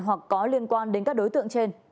hoặc có liên quan đến các đối tượng trên